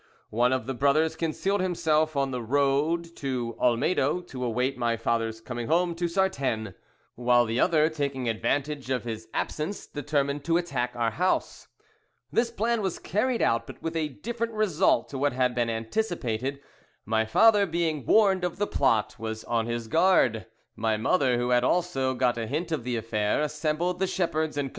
One of the brothers concealed himself on the road to Olmedo to await my father's coming home to Sartène while the other, taking advantage of his absence, determined to attack our house. This plan was carried out, but with a different result to what had been anticipated. My father, being warned of the plot, was on his guard; my mother, who had also got a hint of the affair, assembled the shepherds, &c.